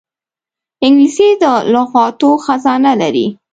انګلیسي د لغاتو خزانه لري